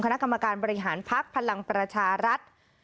คณะกรรมการบริหารภักดิ์พลังประชารัฐ